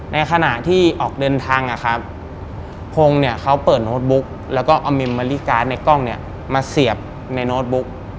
ในขณะที่ออกเดินทางนะครับพงศ์เนี่ยเขาเปิดโน้ตบุ๊กแล้วก็เอามิมมะลิการ์ดในกล้องเนี่ยมาเสียบในโน้ตบุ๊ก